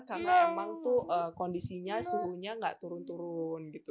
karena emang tuh kondisinya suhunya gak turun turun gitu